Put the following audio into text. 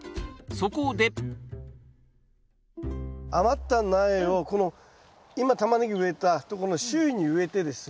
そこで余った苗をこの今タマネギ植えたとこの周囲に植えてですね。